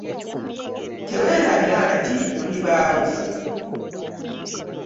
Tewerabira nti tuli baawufu.